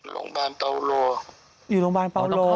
โรงพยาบาลเบาโล